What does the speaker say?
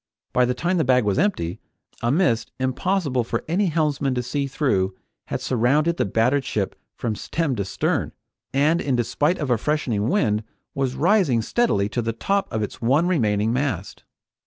By the time the bag was empty, a mist impossible for any helmsman to see through had surrounded the battered ship from stem to stern, and in despite of a freshening wind, was rising steadily to the top of its one remaining mast.